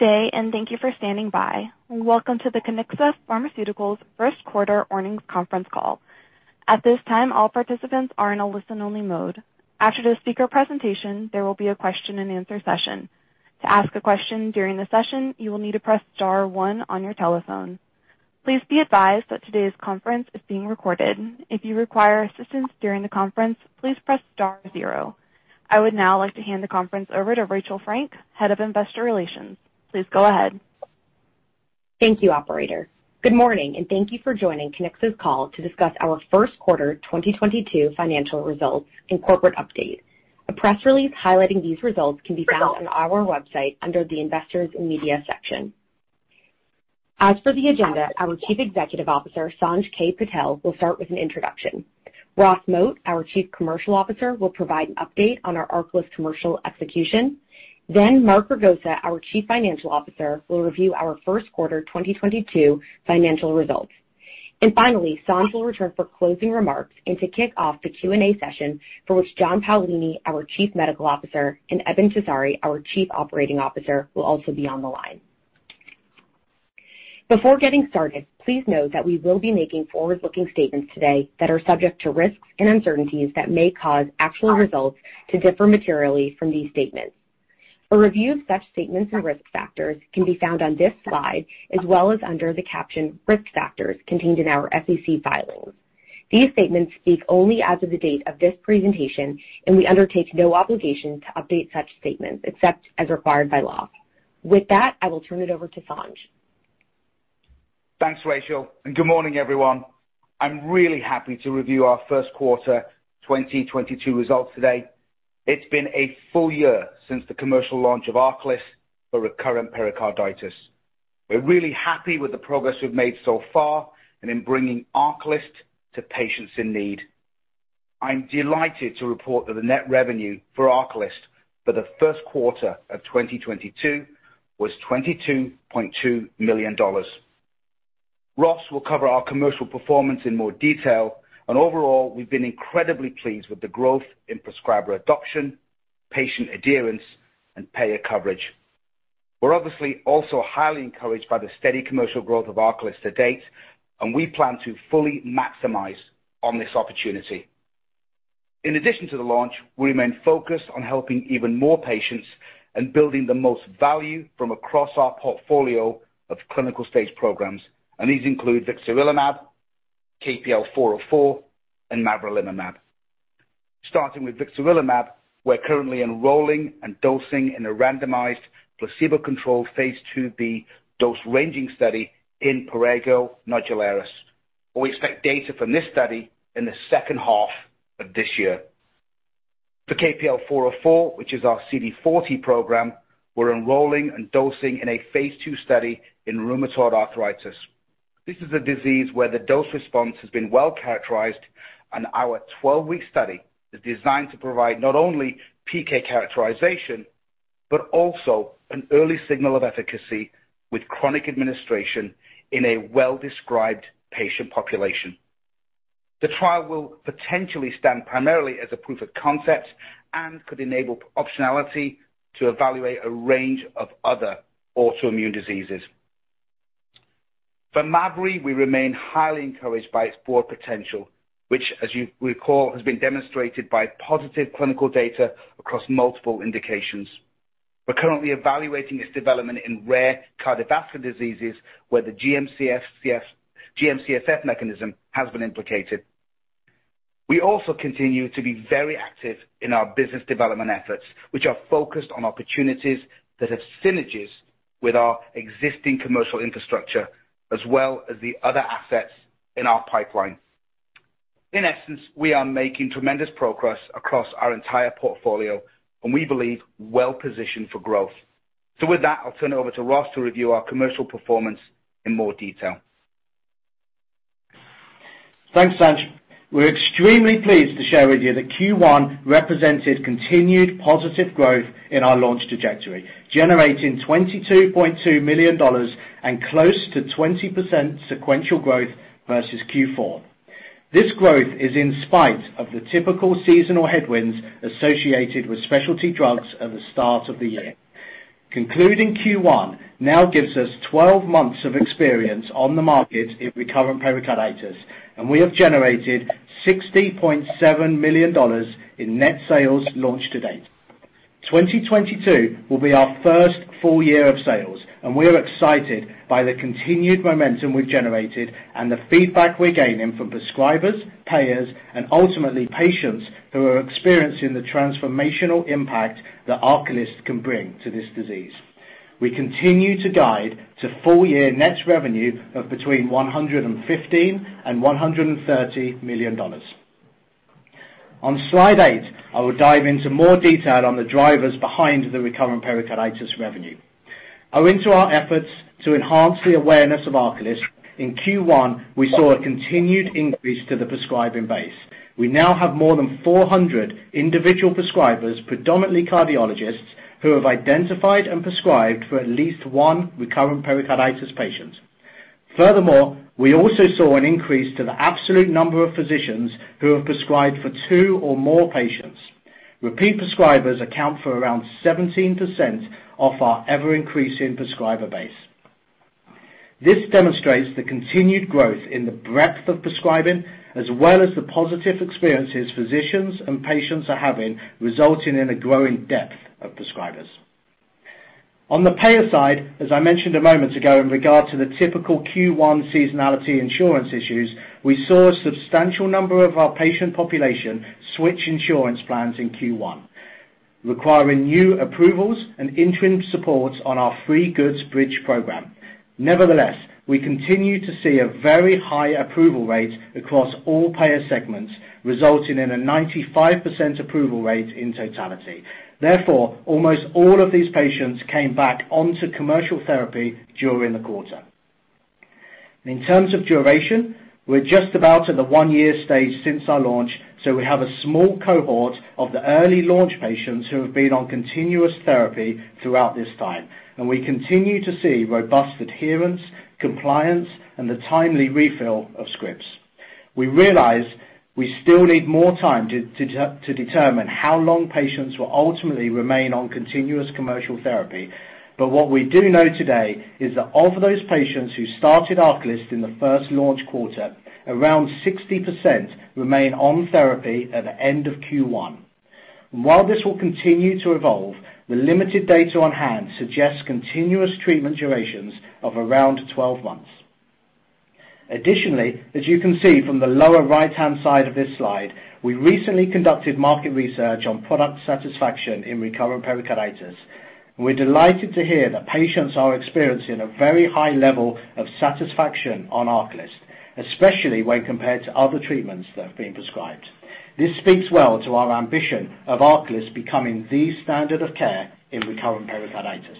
Good day, and thank you for standing by. Welcome to the Kiniksa Pharmaceuticals International Q1 earnings conference call. At this time, all participants are in a listen-only mode. After the speaker presentation, there will be a question-and-answer session. To ask a question during the session, you will need to press star one on your telephone. Please be advised that today's conference is being recorded. If you require assistance during the conference, please press star zero. I would now like to hand the conference over to Rachel Frank, Head of Investor Relations. Please go ahead. Thank you, operator. Good morning, and thank you for joining Kiniksa's call to discuss our Q1 2022 financial results and corporate update. A press release highlighting these results can be found on our website under the Investors and Media section. As for the agenda, our Chief Executive Officer, Sanj K. Patel, will start with an introduction. Ross Moat, our Chief Commercial Officer, will provide an update on our ARCALYST commercial execution. Mark Ragosa, our Chief Financial Officer, will review our Q1 2022 financial results. Finally, Sanj will return for closing remarks and to kick off the Q&A session for which John Paolini, our Chief Medical Officer, and Eben Tessari, our Chief Operating Officer, will also be on the line. Before getting started, please note that we will be making forward-looking statements today that are subject to risks and uncertainties that may cause actual results to differ materially from these statements. A review of such statements and risk factors can be found on this slide, as well as under the caption Risk Factors contained in our SEC filings. These statements speak only as of the date of this presentation, and we undertake no obligation to update such statements except as required by law. With that, I will turn it over to Sanj. Thanks, Rachel, and good morning, everyone. I'm really happy to review our Q1 2022 results today. It's been a full year since the commercial launch of ARCALYST for recurrent pericarditis. We're really happy with the progress we've made so far and in bringing ARCALYST to patients in need. I'm delighted to report that the net revenue for ARCALYST for the Q1 of 2022 was $22.2 million. Ross will cover our commercial performance in more detail, and overall, we've been incredibly pleased with the growth in prescriber adoption, patient adherence, and payer coverage. We're obviously also highly encouraged by the steady commercial growth of ARCALYST to date, and we plan to fully maximize on this opportunity. In addition to the launch, we remain focused on helping even more patients and building the most value from across our portfolio of clinical-stage programs, and these include Vixarelimab, KPL-404, and mavrilimumab. Starting with Vixarelimab, we're currently enrolling and dosing in a randomized placebo-controlled phase IIb dose-ranging study in Prurigo Nodularis. We expect data from this study in the Q2 of this year. For KPL-404, which is our CD40 program, we're enrolling and dosing in a phase II study in rheumatoid arthritis. This is a disease where the dose response has been well characterized, and our 12-week study is designed to provide not only PK characterization, but also an early signal of efficacy with chronic administration in a well-described patient population. The trial will potentially stand primarily as a proof of concept and could enable optionality to evaluate a range of other autoimmune diseases. For Mavri, we remain highly encouraged by its broad potential, which as you recall, has been demonstrated by positive clinical data across multiple indications. We're currently evaluating its development in rare cardiovascular diseases where the GM-CSF mechanism has been implicated. We also continue to be very active in our business development efforts, which are focused on opportunities that have synergies with our existing commercial infrastructure as well as the other assets in our pipeline. In essence, we are making tremendous progress across our entire portfolio, and we believe well-positioned for growth. With that, I'll turn it over to Ross to review our commercial performance in more detail. Thanks, Sanj. We're extremely pleased to share with you that Q1 represented continued positive growth in our launch trajectory, generating $22.2 million and close to 20% sequential growth versus Q4. This growth is in spite of the typical seasonal headwinds associated with specialty drugs at the start of the year. Concluding Q1 now gives us 12 months of experience on the market in recurrent pericarditis, and we have generated $60.7 million in net sales launch to date. 2022 will be our first full year of sales, and we are excited by the continued momentum we've generated and the feedback we're gaining from prescribers, payers, and ultimately patients who are experiencing the transformational impact that ARCALYST can bring to this disease. We continue to guide to full-year net revenue of between $115 million and $130 million. On slide eight, I will dive into more detail on the drivers behind the recurrent pericarditis revenue. Owing to our efforts to enhance the awareness of ARCALYST, in Q1, we saw a continued increase to the prescribing base. We now have more than 400 individual prescribers, predominantly cardiologists, who have identified and prescribed for at least 1 recurrent pericarditis patient. Furthermore, we also saw an increase to the absolute number of physicians who have prescribed for 2 or more patients. Repeat prescribers account for around 17% of our ever-increasing prescriber base. This demonstrates the continued growth in the breadth of prescribing, as well as the positive experiences physicians and patients are having, resulting in a growing depth of prescribers. On the payer side, as I mentioned a moment ago in regard to the typical Q1 seasonality insurance issues, we saw a substantial number of our patient population switch insurance plans in Q1, requiring new approvals and interim supports on our free goods bridge program. Nevertheless, we continue to see a very high approval rate across all payer segments, resulting in a 95% approval rate in totality. Therefore, almost all of these patients came back onto commercial therapy during the quarter. In terms of duration, we're just about at the one-year stage since our launch, so we have a small cohort of the early launch patients who have been on continuous therapy throughout this time. We continue to see robust adherence, compliance, and the timely refill of scripts. We realize we still need more time to determine how long patients will ultimately remain on continuous commercial therapy. What we do know today is that of those patients who started ARCALYST in the first launch quarter, around 60% remain on therapy at the end of Q1. While this will continue to evolve, the limited data on-hand suggests continuous treatment durations of around 12 months. Additionally, as you can see from the lower right-hand side of this slide, we recently conducted market research on product satisfaction in recurrent pericarditis. We're delighted to hear that patients are experiencing a very high level of satisfaction on ARCALYST, especially when compared to other treatments that have been prescribed. This speaks well to our ambition of ARCALYST becoming the standard of care in recurrent pericarditis.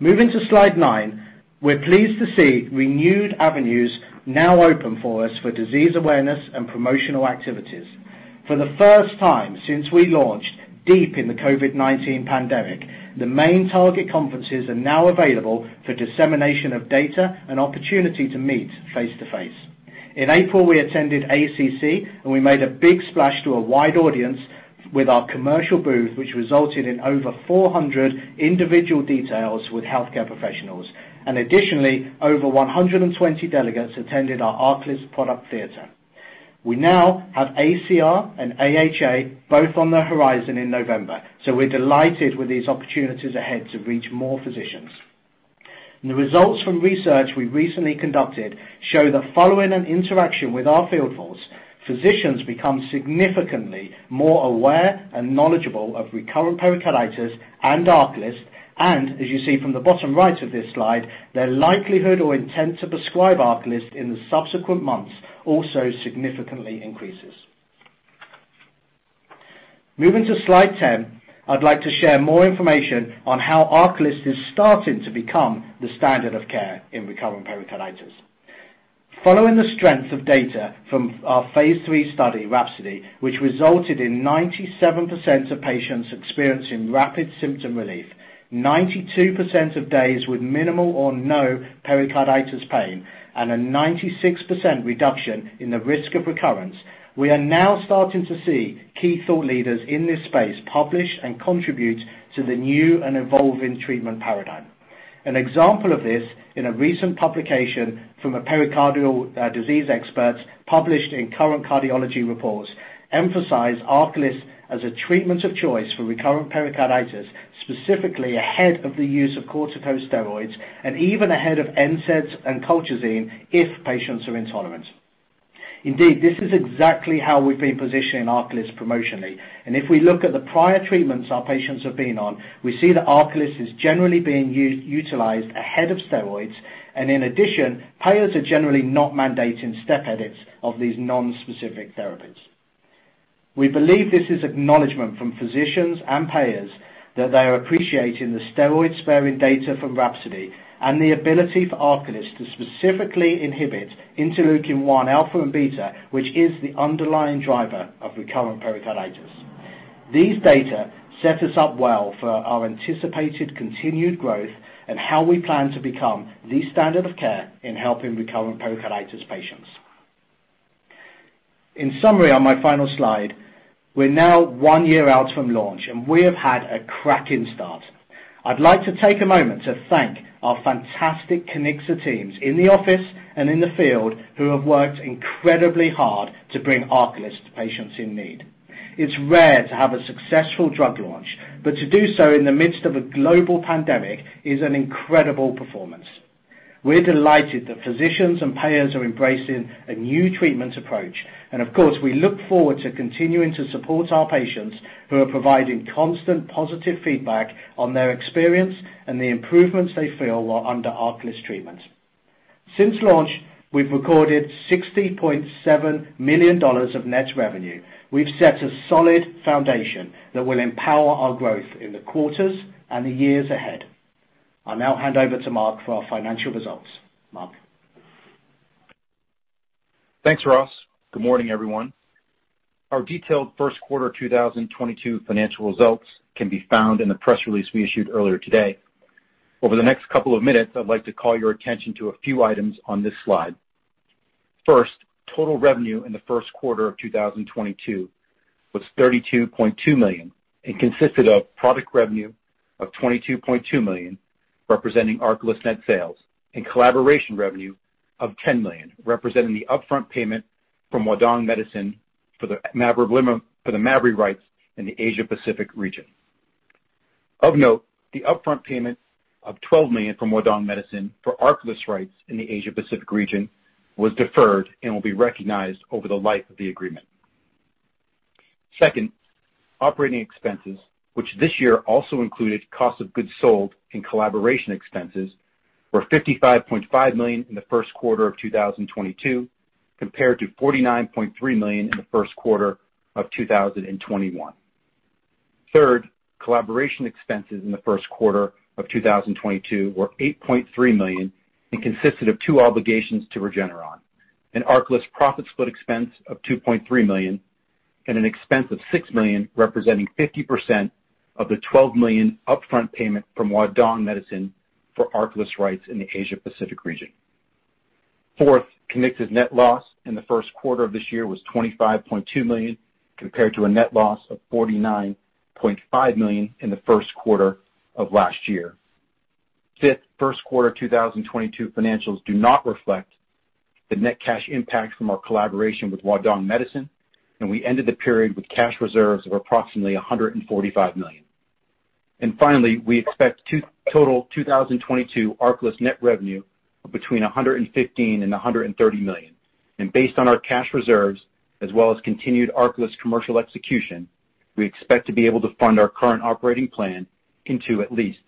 Moving to slide 9, we're pleased to see renewed avenues now open for us for disease awareness and promotional activities. For the first time since we launched deep in the COVID-19 pandemic, the main target conferences are now available for dissemination of data and opportunity to meet face-to-face. In April, we attended ACC, and we made a big splash to a wide audience with our commercial booth, which resulted in over 400 individual details with healthcare professionals. Additionally, over 120 delegates attended our ARCALYST product theater. We now have ACR and AHA both on the horizon in November, so we're delighted with these opportunities ahead to reach more physicians. The results from research we recently conducted show that following an interaction with our field force, physicians become significantly more aware and knowledgeable of recurrent pericarditis and ARCALYST. As you see from the bottom right of this slide, their likelihood or intent to prescribe ARCALYST in the subsequent months also significantly increases. Moving to slide 10, I'd like to share more information on how ARCALYST is starting to become the standard of care in recurrent pericarditis. Following the strength of data from our phase 3 study, RHAPSODY, which resulted in 97% of patients experiencing rapid symptom relief, 92% of days with minimal or no pericarditis pain, and a 96% reduction in the risk of recurrence. We are now starting to see key thought leaders in this space publish and contribute to the new and evolving treatment paradigm. An example of this in a recent publication from a pericardial disease expert published in Current Cardiology Reports emphasized ARCALYST as a treatment of choice for recurrent pericarditis, specifically ahead of the use of corticosteroids and even ahead of NSAIDs and colchicine if patients are intolerant. Indeed, this is exactly how we've been positioning ARCALYST promotionally. If we look at the prior treatments our patients have been on, we see that ARCALYST is generally being utilized ahead of steroids. In addition, payers are generally not mandating step edits of these non-specific therapies. We believe this is acknowledgment from physicians and payers that they are appreciating the steroid-sparing data from RHAPSODY and the ability for ARCALYST to specifically inhibit interleukin-1 alpha and beta, which is the underlying driver of recurrent pericarditis. These data set us up well for our anticipated continued growth and how we plan to become the standard of care in helping recurrent pericarditis patients. In summary on my final slide, we're now one year out from launch, and we have had a cracking start. I'd like to take a moment to thank our fantastic Kiniksa teams in the office and in the field who have worked incredibly hard to bring ARCALYST to patients in need. It's rare to have a successful drug launch, but to do so in the midst of a global pandemic is an incredible performance. We're delighted that physicians and payers are embracing a new treatments approach. Of course, we look forward to continuing to support our patients who are providing constant positive feedback on their experience and the improvements they feel while under ARCALYST treatment. Since launch, we've recorded $60.7 million of net revenue. We've set a solid foundation that will empower our growth in the quarters and the years ahead. I'll now hand over to Mark for our financial results. Mark? Thanks, Ross. Good morning, everyone. Our detailed Q1 2022 financial results can be found in the press release we issued earlier today. Over the next couple of minutes, I'd like to call your attention to a few items on this slide. First, total revenue in the Q1 of 2022 was $32.2 million and consisted of product revenue of $22.2 million, representing ARCALYST net sales, and collaboration revenue of $10 million, representing the upfront payment from Huadong Medicine for the mavrilimumab rights in the Asia Pacific region. Of note, the upfront payment of $12 million from Huadong Medicine for ARCALYST rights in the Asia Pacific region was deferred and will be recognized over the life of the agreement. Second, operating expenses, which this year also included cost of goods sold and collaboration expenses, were $55.5 million in the Q1 of 2022, compared to $49.3 million in the Q1 of 2021. Third, collaboration expenses in the Q1 of 2022 were $8.3 million and consisted of two obligations to Regeneron, an ARCALYST profit split expense of $2.3 million and an expense of $6 million representing 50% of the $12 million upfront payment from Huadong Medicine for ARCALYST rights in the Asia Pacific region. Fourth, Kiniksa's net loss in theQ1 of this year was $25.2 million, compared to a net loss of $49.5 million in the Q1 of last year. Fifth, Q1 2022 financials do not reflect the net cash impact from our collaboration with Huadong Medicine, and we ended the period with cash reserves of approximately $145 million. Finally, we expect total 2022 ARCALYST net revenue of between $115 million and $130 million. Based on our cash reserves as well as continued ARCALYST commercial execution, we expect to be able to fund our current operating plan into at least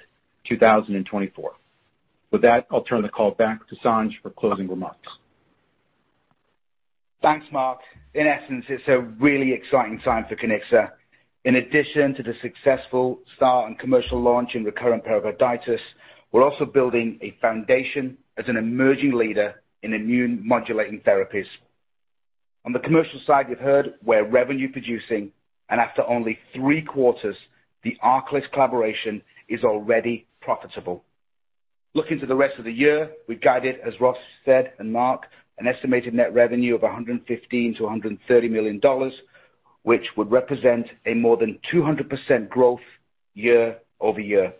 2024. With that, I'll turn the call back to Sanj for closing remarks. Thanks, Mark. In essence, it's a really exciting time for Kiniksa. In addition to the successful start and commercial launch in recurrent pericarditis, we're also building a foundation as an emerging leader in immune modulating therapies. On the commercial side, you've heard we're revenue producing, and after only three quarters, the ARCALYST collaboration is already profitable. Looking to the rest of the year, we guided, as Ross said, and Mark, an estimated net revenue of $115 million-$130 million, which would represent a more than 200% growth year-over-year.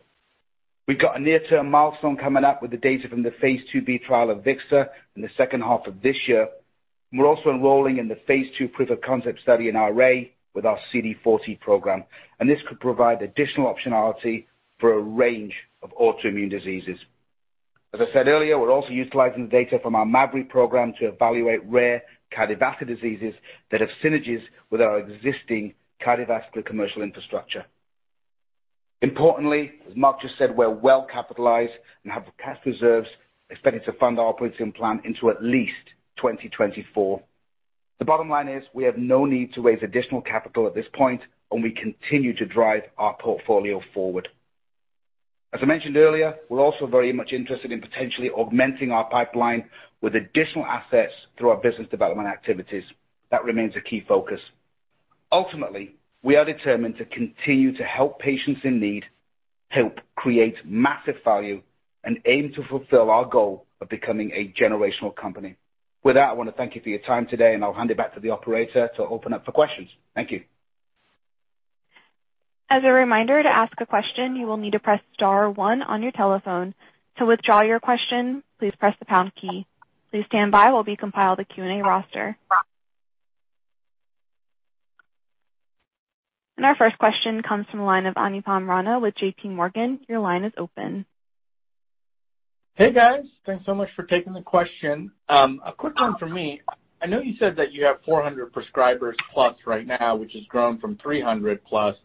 We've got a near-term milestone coming up with the data from the phase IIb trial of Vixarelimab in the second half of this year. We're also enrolling in the phase 2 proof of concept study in RA with our CD40 program, and this could provide additional optionality for a range of autoimmune diseases. As I said earlier, we're also utilizing the data from our mavrilimumab program to evaluate rare cardiovascular diseases that have synergies with our existing cardiovascular commercial infrastructure. Importantly, as Mark just said, we're well capitalized and have cash reserves expected to fund our operating plan into at least 2024. The bottom line is we have no need to raise additional capital at this point, and we continue to drive our portfolio forward. As I mentioned earlier, we're also very much interested in potentially augmenting our pipeline with additional assets through our business development activities. That remains a key focus. Ultimately, we are determined to continue to help patients in need, help create massive value, and aim to fulfill our goal of becoming a generational company. With that, I want to thank you for your time today, and I'll hand it back to the operator to open up for questions. Thank you. As a reminder, to ask a question, you will need to press star one on your telephone. To withdraw your question, please press the pound key. Please stand by while we compile the Q&A roster. Our first question comes from the line of Anupam Rama with J.P. Morgan. Your line is open. Hey, guys. Thanks so much for taking the question. A quick one for me. I know you said that you have 400 prescribers plus right now, which has grown from 300 plus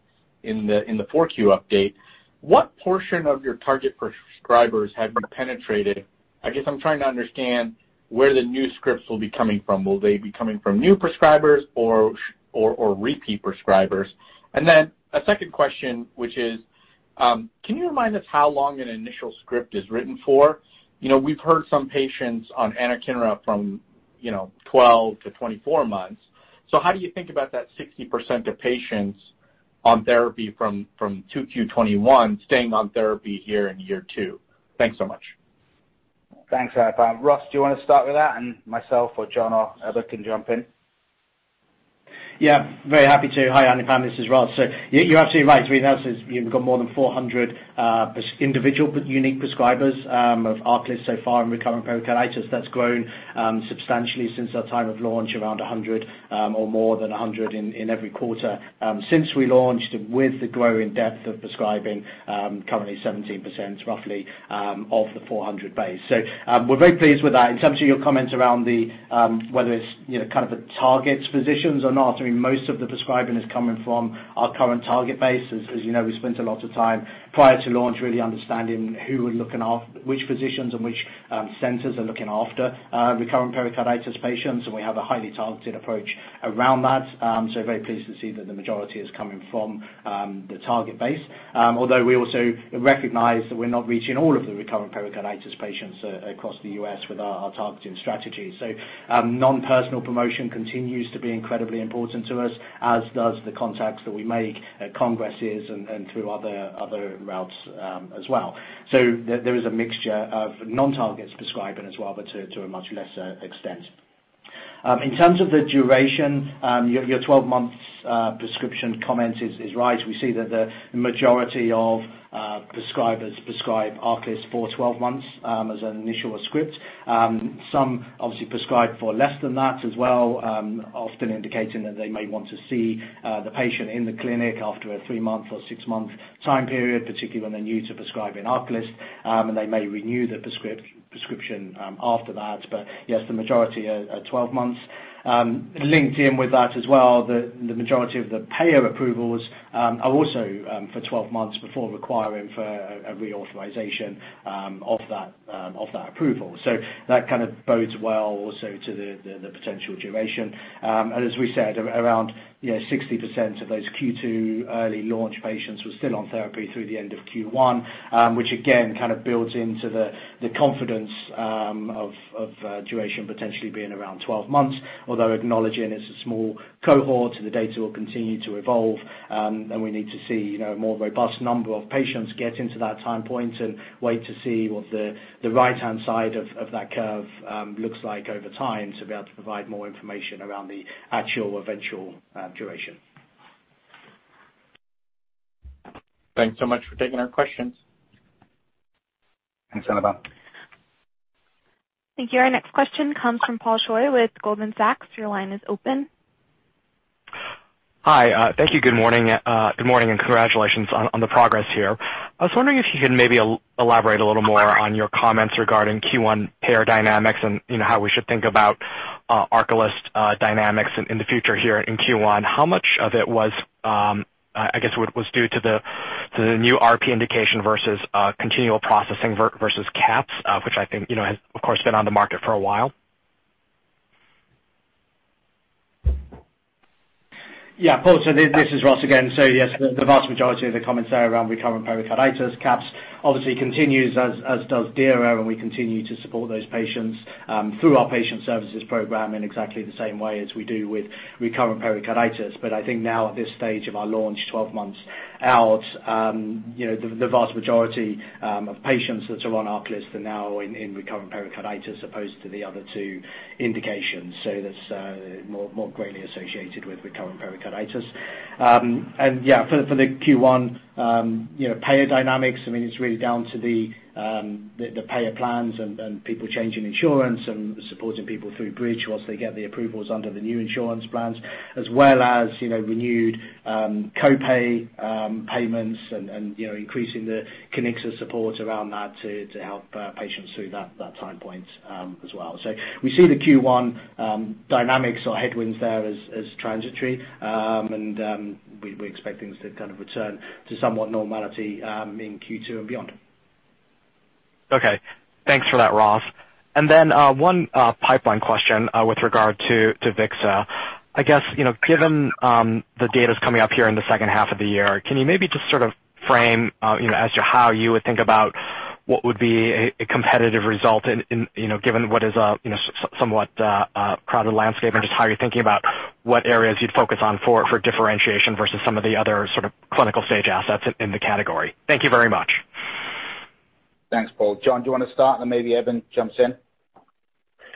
in the 4Q update. What portion of your target prescribers have been penetrated? I guess I'm trying to understand where the new scripts will be coming from. Will they be coming from new prescribers or repeat prescribers? And then a second question, which is, can you remind us how long an initial script is written for? You know, we've heard some patients on Anakinra from 12-24 months. How do you think about that 60% of patients on therapy from 2Q 2021 staying on therapy here in year two? Thanks so much. Thanks, Anupam. Ross, do you wanna start with that and myself or John or other can jump in? Yeah, very happy to. Hi, Anupam, this is Ross. You're absolutely right. As we announced, we've got more than 400 individual but unique prescribers of ARCALYST so far in recurrent pericarditis. That's grown substantially since our time of launch, around 100 or more than 100 in every quarter since we launched with the growing depth of prescribing, currently 17% roughly of the 400 base. We're very pleased with that. In terms of your comments around the whether it's, you know, kind of the target physicians or not, I mean, most of the prescribing is coming from our current target base. As you know, we spent a lot of time prior to launch really understanding who we're looking after, which physicians and which centers are looking after recurrent pericarditis patients, and we have a highly targeted approach around that. Very pleased to see that the majority is coming from the target base. Although we also recognize that we're not reaching all of the recurrent pericarditis patients across the US with our targeting strategies. Non-personal promotion continues to be incredibly important to us, as does the contacts that we make at congresses and through other routes, as well. There is a mixture of non-targets prescribing as well, but to a much lesser extent. In terms of the duration, your 12-month prescription comment is right. We see that the majority of prescribers prescribe ARCALYST for 12 months as an initial script. Some obviously prescribe for less than that as well, often indicating that they may want to see the patient in the clinic after a 3-month or 6-month time period, particularly when they're new to prescribing ARCALYST. They may renew the prescription after that. Yes, the majority are 12 months. Linked in with that as well, the majority of the payer approvals are also for 12 months before requiring for a reauthorization of that approval. That kind of bodes well also to the potential duration. As we said, around, you know, 60% of those Q2 early launch patients were still on therapy through the end of Q1, which again kind of builds into the confidence of duration potentially being around 12 months, although acknowledging it's a small cohort, the data will continue to evolve, and we need to see, you know, a more robust number of patients get into that time point and wait to see what the right-hand side of that curve looks like over time to be able to provide more information around the actual eventual duration. Thanks so much for taking our questions. Thanks, Anupam. Thank you. Our next question comes from Paul Choi with Goldman Sachs. Your line is open. Hi. Thank you. Good morning, and congratulations on the progress here. I was wondering if you could maybe elaborate a little more on your comments regarding Q1 payer dynamics and, you know, how we should think about ARCALYST dynamics in the future here in Q1. How much of it was, I guess, due to the new RP indication versus continued processing versus CAPS, which I think, you know, has of course been on the market for a while. Yeah. Paul, this is Ross again. Yes, the vast majority of the comments are around recurrent pericarditis. CAPS obviously continues as does DIRA, and we continue to support those patients through our patient services program in exactly the same way as we do with recurrent pericarditis. I think now at this stage of our launch, 12 months out, you know, the vast majority of patients that are on ARCALYST are now in recurrent pericarditis as opposed to the other two indications. That's more greatly associated with recurrent pericarditis. For the Q1, you know, payer dynamics, I mean, it's really down to the payer plans and people changing insurance and supporting people through bridge once they get the approvals under the new insurance plans, as well as, you know, renewed co-pay payments and, you know, increasing the Kiniksa support around that to help patients through that time point, as well. We see the Q1 dynamics or headwinds there as transitory, and we expect things to kind of return to somewhat normality in Q2 and beyond. Okay. Thanks for that, Ross. One pipeline question with regard to Vixarelimab. I guess, you know, given the data's coming up here in the second half of the year, can you maybe just sort of frame you know as to how you would think about what would be a competitive result in you know given what is a you know somewhat crowded landscape and just how you're thinking about what areas you'd focus on for differentiation versus some of the other sort of clinical stage assets in the category? Thank you very much. Thanks, Paul. John, do you wanna start and then maybe Eben jumps in?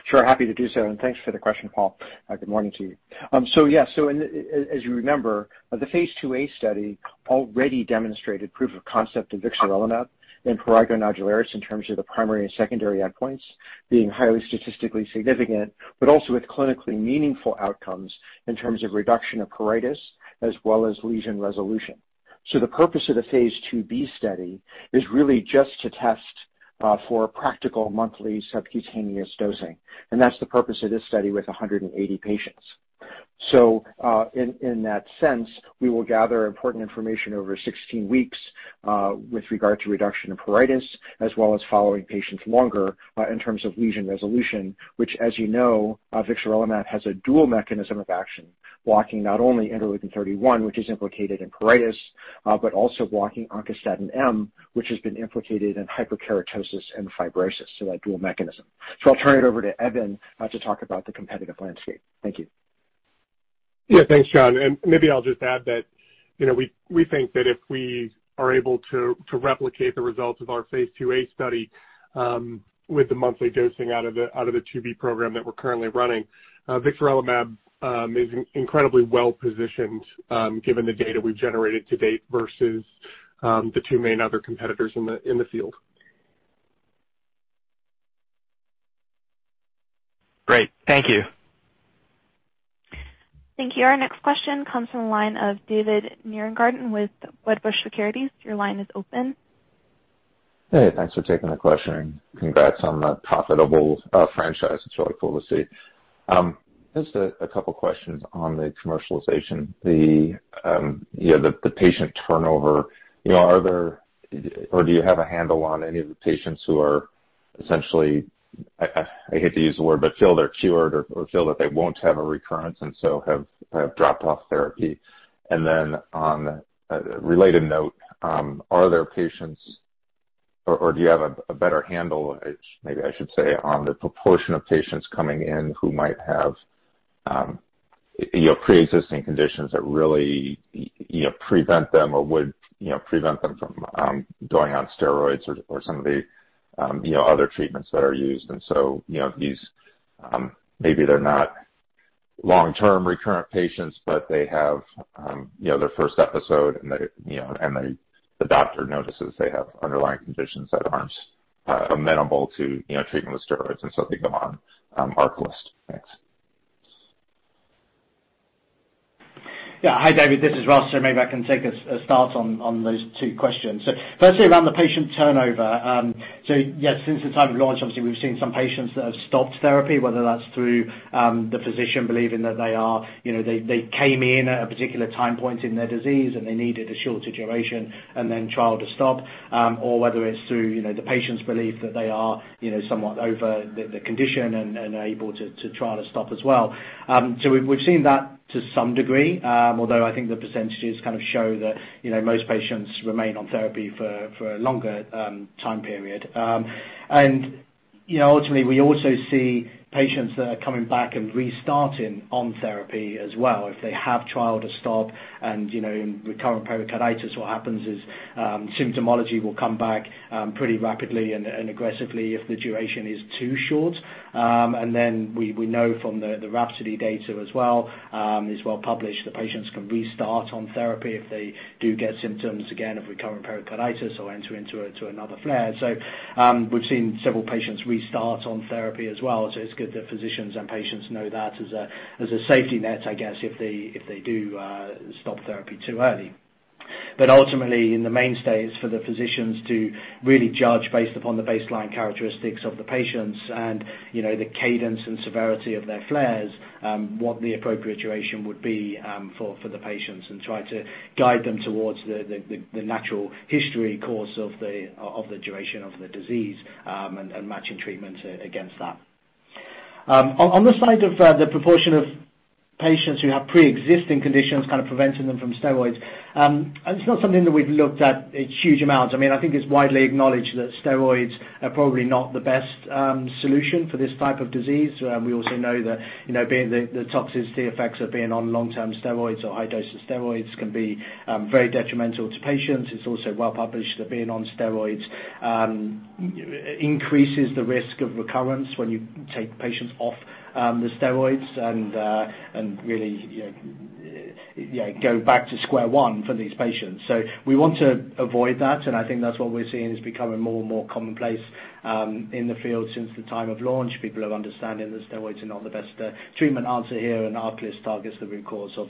Sure. Happy to do so, and thanks for the question, Paul. Good morning to you. As you remember, the phase IIa study already demonstrated proof of concept of Vixarelimab in Prurigo Nodularis in terms of the primary and secondary endpoints being highly statistically significant, but also with clinically meaningful outcomes in terms of reduction of pruritus as well as lesion resolution. The purpose of the phase IIb study is really just to test for practical monthly subcutaneous dosing, and that's the purpose of this study with 180 patients. In that sense, we will gather important information over 16 weeks with regard to reduction in pruritus as well as following patients longer in terms of lesion resolution, which as you know, Vixarelimab has a dual mechanism of action, blocking not only interleukin-31, which is implicated in pruritus, but also blocking Oncostatin M, which has been implicated in hyperkeratosis and fibrosis, so a dual mechanism. I'll turn it over to Eben to talk about the competitive landscape. Thank you. Yeah. Thanks, John. Maybe I'll just add that, you know, we think that if we are able to replicate the results of our phase IIa study with the monthly dosing out of the IIb program that we're currently running, Vixarelimab is incredibly well positioned, given the data we've generated to date versus the two main other competitors in the field. Great. Thank you. Thank you. Our next question comes from the line of David Nierengarten with Wedbush Securities. Your line is open. Hey, thanks for taking the question, and congrats on the profitable franchise. It's really cool to see. Just a couple questions on the commercialization. The patient turnover, you know, are there or do you have a handle on any of the patients who are essentially, I hate to use the word, but feel they're cured or feel that they won't have a recurrence and so have dropped off therapy? On a related note, are there patients or do you have a better handle, maybe I should say, on the proportion of patients coming in who might have you know, preexisting conditions that really you know, prevent them or would you know, prevent them from going on steroids or some of the you know, other treatments that are used? you know, these, maybe they're not long-term recurrent patients, but they have, you know, their first episode and the doctor notices they have underlying conditions that aren't amenable to, you know, treatment with steroids, and so they go on, ARCALYST. Thanks. Yeah. Hi, David Nierengarten, this is Ross. Maybe I can take a start on those two questions. Firstly, around the patient turnover. Yes, since the time of launch, obviously we've seen some patients that have stopped therapy, whether that's through the physician believing that they are, you know, they came in at a particular time point in their disease, and they needed a shorter duration and then try to stop. Or whether it's through, you know, the patient's belief that they are, you know, somewhat over the condition and are able to try to stop as well. We've seen that to some degree, although I think the percentages kind of show that, you know, most patients remain on therapy for a longer time period. You know, ultimately, we also see patients that are coming back and restarting on therapy as well if they tried to stop and, you know, in recurrent pericarditis, what happens is, symptomatology will come back pretty rapidly and aggressively if the duration is too short. We know from the RHAPSODY data as well, it's well published, the patients can restart on therapy if they do get symptoms again of recurrent pericarditis or enter into another flare. We've seen several patients restart on therapy as well, so it's good that physicians and patients know that as a safety net, I guess if they do stop therapy too early. Ultimately in the main stage for the physicians to really judge based upon the baseline characteristics of the patients and, you know, the cadence and severity of their flares, what the appropriate duration would be, for the patients, and try to guide them towards the natural history course of the duration of the disease, and matching treatment against that. On the side of the proportion of patients who have preexisting conditions kind of preventing them from steroids, and it's not something that we've looked at in huge amounts. I mean, I think it's widely acknowledged that steroids are probably not the best solution for this type of disease. We also know that, you know, the toxicity effects of being on long-term steroids or high doses of steroids can be very detrimental to patients. It's also well published that being on steroids increases the risk of recurrence when you take patients off the steroids and really, you know, go back to square one for these patients. We want to avoid that, and I think that's what we're seeing is becoming more and more commonplace in the field since the time of launch. People are understanding that steroids are not the best treatment answer here, and ARCALYST targets the root cause of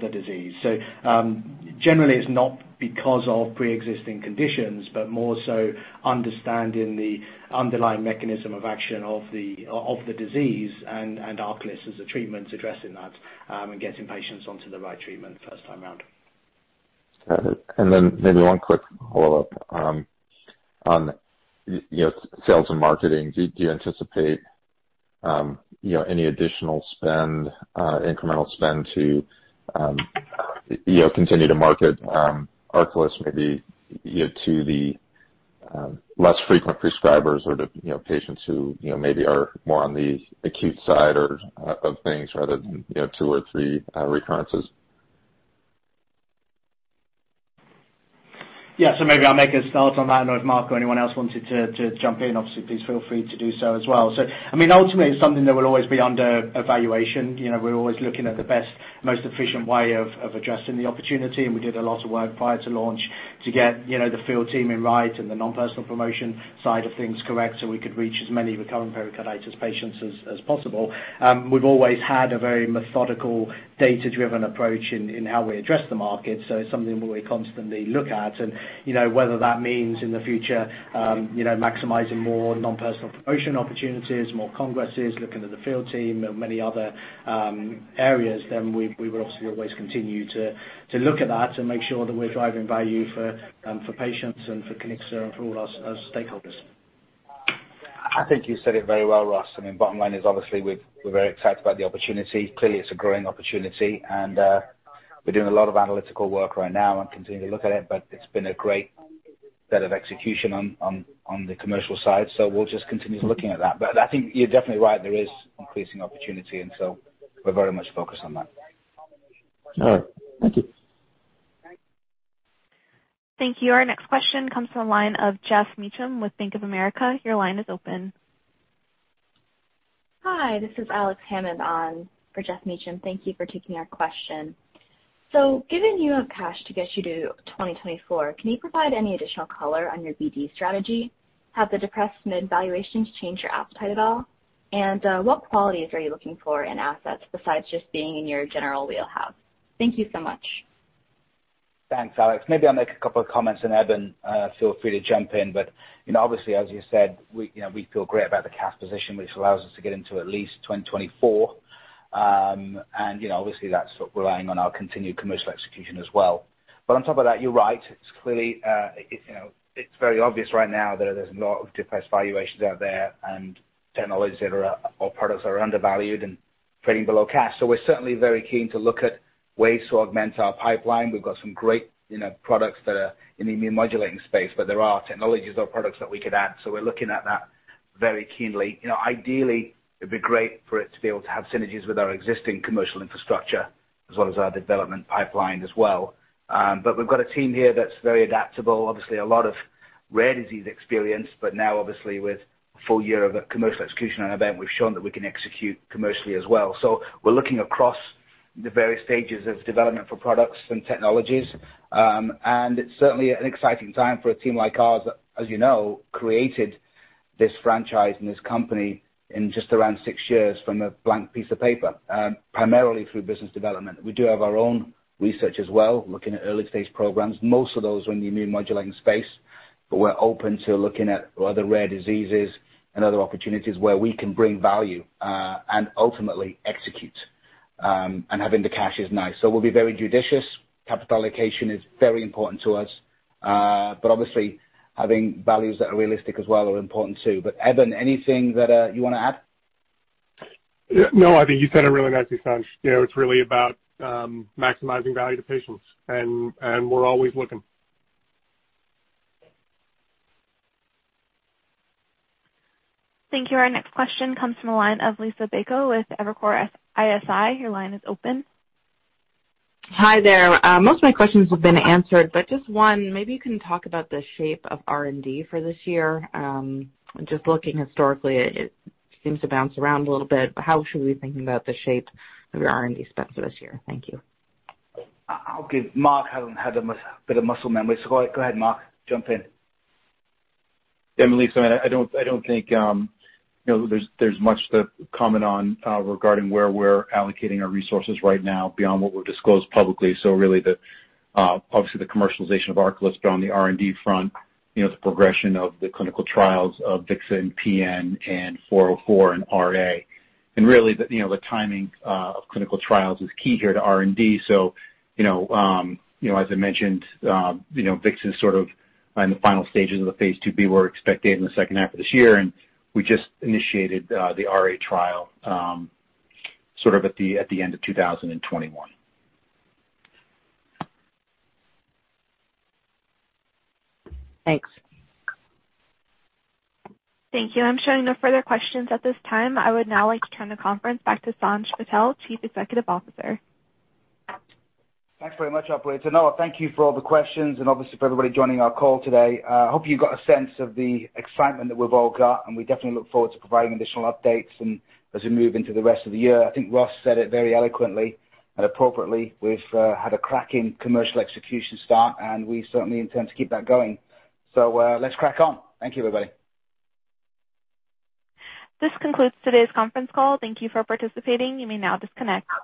the disease. Generally it's not because of preexisting conditions, but more so understanding the underlying mechanism of action of the disease and ARCALYST as a treatment addressing that, and getting patients onto the right treatment first time around. Got it. Maybe one quick follow-up on you know sales and marketing. Do you anticipate you know any additional spend incremental spend to you know continue to market ARCALYST maybe you know to the less frequent prescribers or the you know patients who you know maybe are more on the acute side or of things rather than you know two or three recurrences? Yeah. Maybe I'll make a start on that. I know if Mark or anyone else wanted to jump in, obviously please feel free to do so as well. I mean, ultimately it's something that will always be under evaluation. You know, we're always looking at the best, most efficient way of addressing the opportunity, and we did a lot of work prior to launch to get, you know, the field team in right and the non-personal promotion side of things correct, so we could reach as many recurrent pericarditis patients as possible. We've always had a very methodical, data-driven approach in how we address the market, so it's something we constantly look at. You know, whether that means in the future, you know, maximizing more non-personal promotion opportunities, more congresses, looking at the field team and many other areas, then we will obviously always continue to look at that and make sure that we're driving value for patients and for Kiniksa and for all our stakeholders. I think you said it very well, Ross. I mean, bottom line is obviously we're very excited about the opportunity. Clearly, it's a growing opportunity and we're doing a lot of analytical work right now and continue to look at it, but it's been a great bit of execution on the commercial side. We'll just continue looking at that. I think you're definitely right, there is increasing opportunity, and so we're very much focused on that. All right. Thank you. Thank you. Our next question comes from the line of Geoff Meacham with Bank of America. Your line is open. Hi, this is Alexandria Hammond on for Geoff Meacham. Thank you for taking our question. Given you have cash to get you to 2024, can you provide any additional color on your BD strategy? Have the depressed M&A valuations changed your appetite at all? And, what qualities are you looking for in assets besides just being in your general wheelhouse? Thank you so much. Thanks, Alex. Maybe I'll make a couple of comments and Eben, feel free to jump in. You know, obviously as you said, we feel great about the cash position, which allows us to get into at least 2024. You know, obviously that's relying on our continued commercial execution as well. On top of that, you're right. It's clearly very obvious right now that there's a lot of depressed valuations out there and technologies that are, or products that are undervalued and trading below cash. So we're certainly very keen to look at ways to augment our pipeline. We've got some great products that are in the immunomodulating space, but there are technologies or products that we could add. So we're looking at that very keenly. You know, ideally it'd be great for it to be able to have synergies with our existing commercial infrastructure, as well as our development pipeline as well. We've got a team here that's very adaptable. Obviously, a lot of rare disease experience, but now obviously with full year of commercial execution on ARCALYST, we've shown that we can execute commercially as well. We're looking across the various stages of development for products and technologies. It's certainly an exciting time for a team like ours, as you know, created this franchise and this company in just around six years from a blank piece of paper, primarily through business development. We do have our own research as well, looking at early-stage programs, most of those are in the immune modulating space, but we're open to looking at other rare diseases and other opportunities where we can bring value and ultimately execute. Having the cash is nice. We'll be very judicious. Capital allocation is very important to us. Obviously having values that are realistic as well are important too. Eben, anything that you wanna add? No, I think you said it really nicely, Sanj. You know, it's really about, maximizing value to patients, and we're always looking. Thank you. Our next question comes from the line of Liisa Bayko with Evercore ISI. Your line is open. Hi there. Most of my questions have been answered, just one. Maybe you can talk about the shape of R&D for this year. Just looking historically, it seems to bounce around a little bit, but how should we be thinking about the shape of your R&D spend for this year? Thank you. I'll give Mark. I don't have much. A bit of muscle memory, so go ahead, Mark. Jump in. Yeah, Liisa Bayko, I don't think, you know, there's much to comment on regarding where we're allocating our resources right now beyond what we've disclosed publicly. Really, obviously, the commercialization of ARCALYST, but on the R&D front, you know, the progression of the clinical trials of Vixarelimab PN and KPL-404 in RA. Really, you know, the timing of clinical trials is key here to R&D. You know, you know, as I mentioned, you know, Vixarelimab is sort of in the final stages of the phase IIb. We're expecting in the second half of this year, and we just initiated the RA trial sort of at the end of 2021. Thanks. Thank you. I'm showing no further questions at this time. I would now like to turn the conference back to Sanj Patel, Chief Executive Officer. Thanks very much, operator. No, thank you for all the questions and obviously for everybody joining our call today. Hope you got a sense of the excitement that we've all got, and we definitely look forward to providing additional updates as we move into the rest of the year. I think Ross said it very eloquently and appropriately. We've had a cracking commercial execution start, and we certainly intend to keep that going. Let's crack on. Thank you, everybody. This concludes today's conference call. Thank you for participating. You may now disconnect.